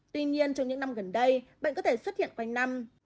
tuy nhiên trong những năm gần đây bệnh có thể xuất hiện quanh năm